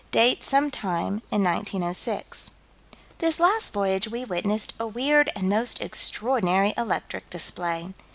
Date some time in 1906 "This last voyage we witnessed a weird and most extraordinary electric display."